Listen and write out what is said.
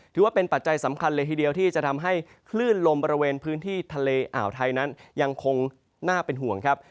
ปัจจัยสำคัญเลยทีเดียวที่จะทำให้คลื่นลมบริเวณพื้นที่ทะเลอ่าวไทยนั้นยังคงน่าเป็นห่วงครับ